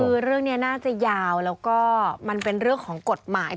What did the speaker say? คือเรื่องนี้น่าจะยาวแล้วก็มันเป็นเรื่องของกฎหมาย